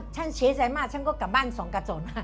ฉันเสียใจมากฉันก็กลับบ้านสองกระสน